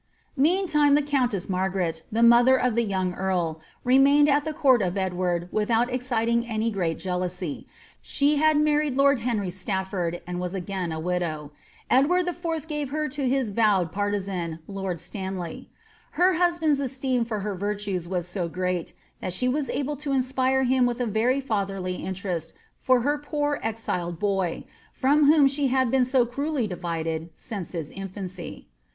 Meantime the countess Margaret, the mother of the young eari, re mained at the court of Edward without exciting any great jealousy. She had married lord Henry Stafford, and was again a widow. Edward IV. gave Iier to his vowed partisan, lord Stanley. Her husband's esteem for lier virtues was so great, that she was able to inspire him with a very fatlieriy interest for her poor exiled boy, from whom she had been so cruelly divided since his infancy.